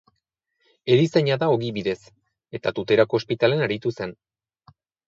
Erizaina da ogibidez, eta Tuterako Ospitalean aritu zen.